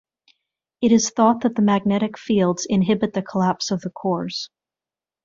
It is thought that the magnetic fields inhibit the collapse of the cores.